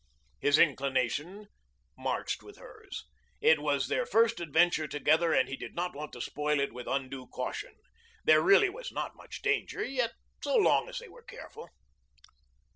His inclination marched with hers. It was their first adventure together and he did not want to spoil it by undue caution. There really was not much danger yet so long as they were careful.